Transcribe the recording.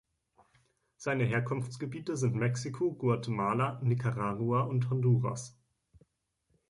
Seine Herkunftsgebiete sind Mexiko, Guatemala, Nicaragua und Honduras.